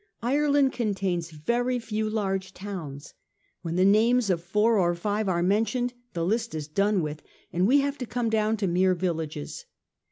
Ire land contains very few large towns ; when the names of four or five are mentioned the list is done with, and we have to come to mere villages.